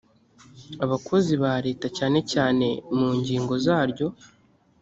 abakozi ba leta cyane cyane mu ngingo zaryo